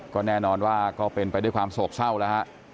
ก็แน่นอนว่าก็เป็นไปด้วยความโศกเศร้าแล้วฮะ